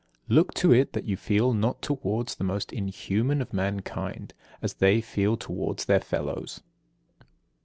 65. Look to it that you feel not towards the most inhuman of mankind, as they feel towards their fellows.